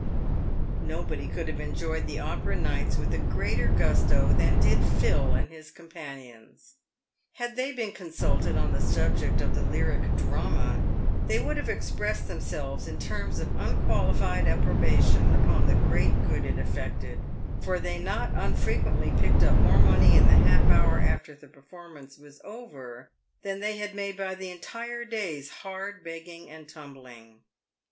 Nobody could have enjoyed the Opera nights with a greater gusto than did Phil and his companions. Had they been consulted on the subject of the Lyric Drama, they would have expressed themselves in terms of unqualified approbation upon the great good it effected, for they not unfrequently picked up more money in the half hour after the performance was over than they had made by the entire day's hard begging and tumbling.